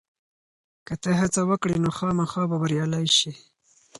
که ته هڅه وکړې، نو خامخا به بریالی شې.